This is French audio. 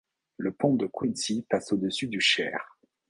Le pont de Quincy passe au dessus du Cher.